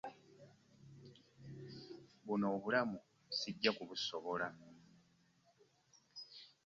Buno obulamu ssijja kubusobola.